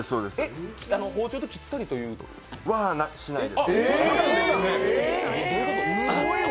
包丁で切ったりは？しないです。